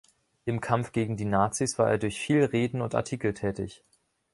Im Kampf gegen die Nazis war er durch viele Reden und Artikel tätig.